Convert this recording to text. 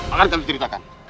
akan saya ceritakan